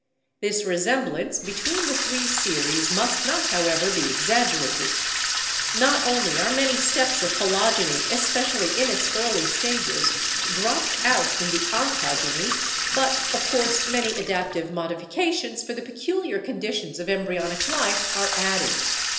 "This resemblance between the three series must not, however, be exaggerated. Not only are many steps of phylogeny, especially in its early stages, dropped out in the ontogeny, but, of course, many adaptive modifications for the peculiar conditions of embryonic life are added.